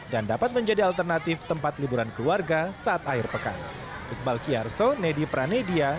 dan dapat menjadi alternatif tempat liburan keluarga saat air pekan